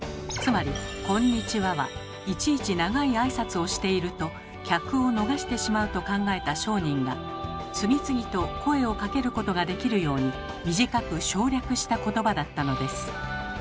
つまり「こんにちは」はいちいち長い挨拶をしていると客を逃してしまうと考えた商人が次々と声をかけることができるように短く省略したことばだったのです。